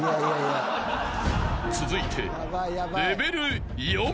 ［続いて］